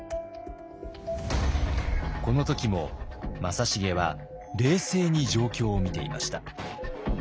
この時も正成は冷静に状況を見ていました。